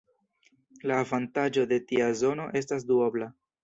La avantaĝo de tia zono estas duobla.